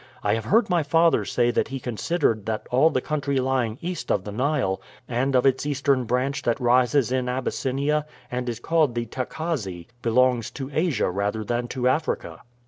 I have heard my father say that he considered that all the country lying east of the Nile, and of its eastern branch that rises in Abyssinia and is called the Tacazze, belongs to Asia rather than to Africa."